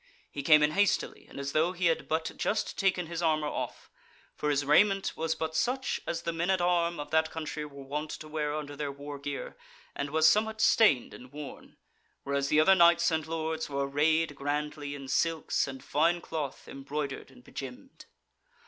He came in hastily, and as though he had but just taken his armour off: for his raiment was but such as the men at arm of that country were wont to wear under their war gear, and was somewhat stained and worn; whereas the other knights and lords were arrayed grandly in silks and fine cloth embroidered and begemmed.